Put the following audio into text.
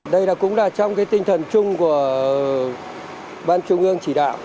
đây cũng là trong tinh thần chung của ban trung ương chỉ đạo